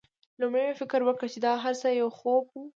لومړی مې فکر وکړ چې دا هرڅه یو خوب و